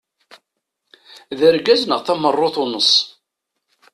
D argaz neɣ tameṛṛut uneṣ.